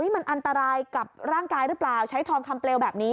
มันอันตรายกับร่างกายหรือเปล่าใช้ทองคำเปลวแบบนี้